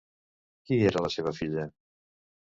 Qui era la seva filla?